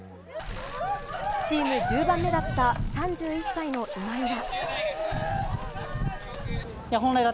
チーム１０番目だった３１歳の今井は。